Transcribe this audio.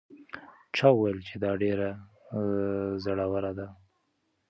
چا وویل چې دا ډېره زړه وره ده؟